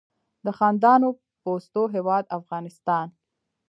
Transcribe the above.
د خندانو پستو هیواد افغانستان.